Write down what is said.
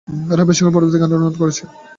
রাব্বি Steinberg পরবর্তী গানের অনুরোধ করেছে।